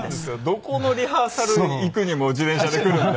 どこのリハーサル行くにも自転車で来るので。